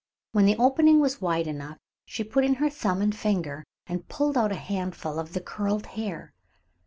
When the opening was wide enough she put in her thumb and finger and pulled out a handful of the curled hair.